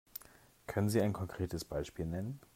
Können Sie ein konkretes Beispiel nennen?